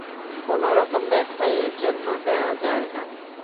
কোনো রকম ব্যাখ্যা এর জন্যে দেয়া যায় না।